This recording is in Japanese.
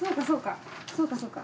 そうかそうか。